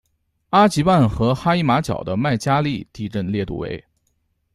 阿吉曼和哈伊马角的麦加利地震烈度为。